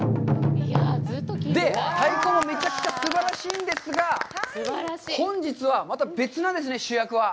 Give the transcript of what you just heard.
で、太鼓もめちゃくちゃすばらしいんですが、本日はまた別なんですね、主役は。